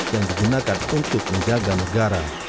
yang digunakan untuk menjaga negara